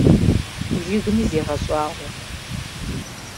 Жыгми зегъэщӏагъуэ.